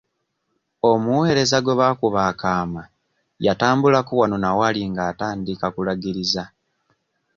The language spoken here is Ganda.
Omuweereza gwe baakuba akaama yatambulako wano na wali ng'atandika kulagiriza.